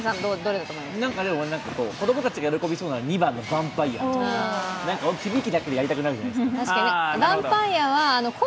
子供たちが喜びそうなのは２番のヴァンパイア響きだけで、やりたくなるじゃないですか。